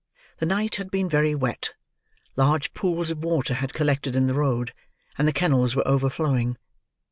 The night had been very wet: large pools of water had collected in the road: and the kennels were overflowing.